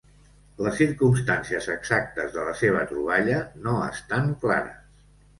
Les circumstàncies exactes de la seva troballa no estan clares.